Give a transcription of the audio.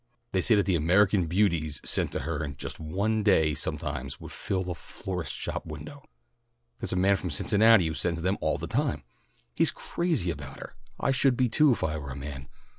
They say that the American Beauties sent to her in just one day sometimes would fill a florist's shop window. There's a man from Cincinnati who sends them all the time. He's crazy about her. I should be too if I were a man.